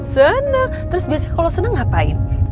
senang terus biasanya kalau senang ngapain